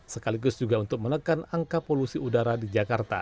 sekaligus juga untuk menekan angka polusi udara di jakarta